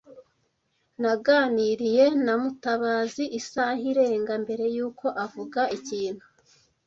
Naganiriye na Mutabazi isaha irenga mbere yuko avuga ikintu